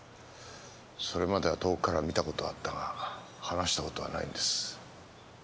それまでは遠くから見た事はあったが話した事はないんです。